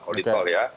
kalau di tol ya